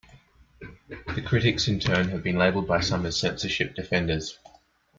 The critics, in turn, have been labelled by some as "censorship defenders".